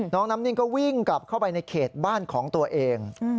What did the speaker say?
น้องน้ำนิ่งก็วิ่งกลับเข้าไปในเขตบ้านของตัวเอง